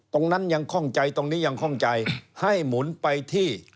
ตรงนั้นยังคล่องใจตรงนี้ยังคล่องใจให้หมุนไปที่